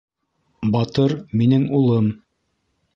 - Батыр - минең улым!